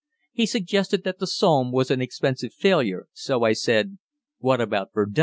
He suggested that the Somme was an expensive failure, so I said, "What about Verdun?"